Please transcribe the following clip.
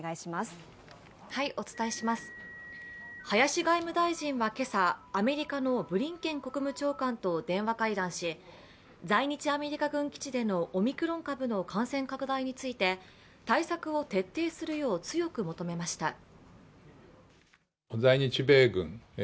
林外務大臣は今朝、アメリカのブリンケン国務長官と電話会談し在日アメリカ軍基地でのオミクロン株の感染拡大について対策を徹底するよう強く求めました。